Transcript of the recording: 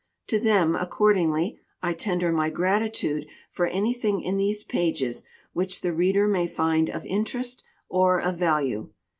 To them, accordingly, I tender my gratitude for anything in these pages which the reader may find of interest or of value.